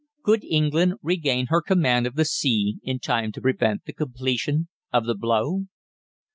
Could England regain her command of the sea in time to prevent the completion of the blow?